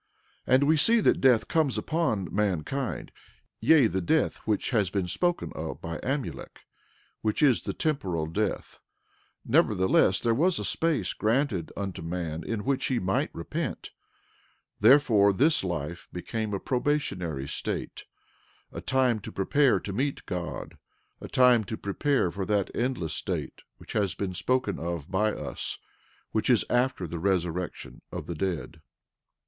12:24 And we see that death comes upon mankind, yea, the death which has been spoken of by Amulek, which is the temporal death; nevertheless there was a space granted unto man in which he might repent; therefore this life became a probationary state; a time to prepare to meet God; a time to prepare for that endless state which has been spoken of by us, which is after the resurrection of the dead.